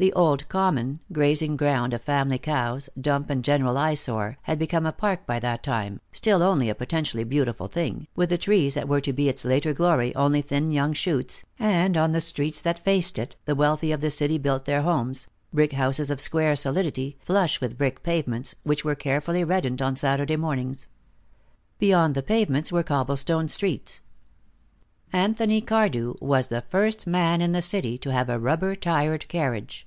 The old common, grazing ground of family cows, dump and general eye sore, had become a park by that time, still only a potentially beautiful thing, with the trees that were to be its later glory only thin young shoots, and on the streets that faced it the wealthy of the city built their homes, brick houses of square solidity, flush with brick pavements, which were carefully reddened on Saturday mornings. Beyond the pavements were cobble stoned streets. Anthony Cardew was the first man in the city to have a rubber tired carriage.